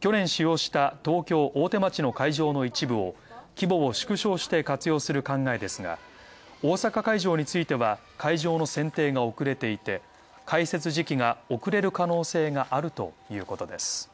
去年使用した東京・大手町の会場の一部を規模を縮小して活用する考えですが大阪会場については会場の選定が遅れていて、開設時期が遅れる可能性があるということです。